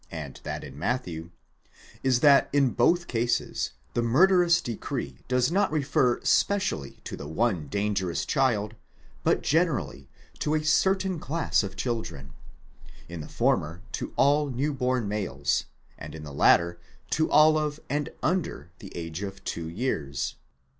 ii, and that in Matthew, is that in both cases the murderous decree does not refer specially to the one dangerous child, but generally to a certain class of children ; in the former, to all new born males, in the latter to all of and under the age of two years.